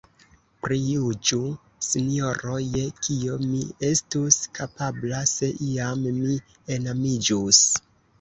Prijuĝu, sinjoro, je kio mi estus kapabla, se iam mi enamiĝus!